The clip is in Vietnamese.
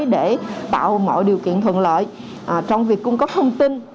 để tạo mọi điều kiện thuận lợi trong việc cung cấp thông tin